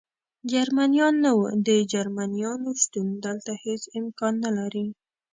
جرمنیان نه و، د جرمنیانو شتون دلته هېڅ امکان نه لري.